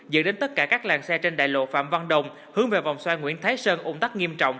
dựa đến tất cả các làng xe trên đại lộ phạm văn đồng hướng về vòng xoay nguyễn thái sơn ủng tắc nghiêm trọng